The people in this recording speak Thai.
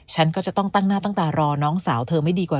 ฉันก็จะต้องตั้งหน้าตั้งตารอน้องสาวเธอไม่ดีกว่า